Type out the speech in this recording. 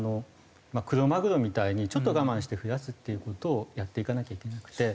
クロマグロみたいにちょっと我慢して増やすっていう事をやっていかなきゃいけなくて。